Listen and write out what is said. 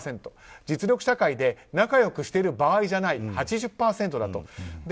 実力社会で仲良くしている場合じゃない８０％だと。